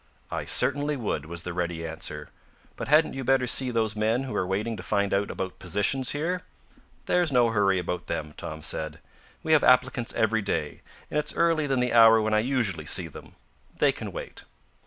"I certainly would," was the ready answer. "But hadn't you better see those men who are waiting to find out about positions here?" "There's no hurry about them," Tom said. "We have applicants every day, and it's earlier than the hour when I usually see them. They can wait.